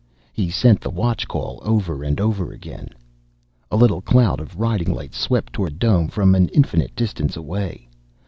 He sent the watch call over and over again.... A little cloud of riding lights swept toward the dome from an infinite distance away.